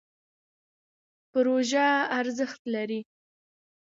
پروژه ارزښت لري.